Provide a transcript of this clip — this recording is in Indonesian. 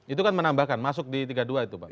itu kan menambahkan masuk di tiga puluh dua itu pak